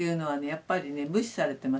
やっぱりね無視されてますね。